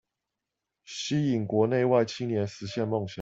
吸引國內外青年實現夢想